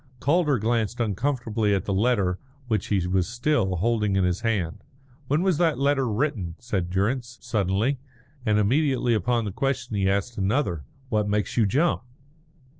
Calder glanced uncomfortably at the letter which he was still holding in his hand. "When was that letter written?" said Durrance, suddenly; and immediately upon the question he asked another, "What makes you jump?"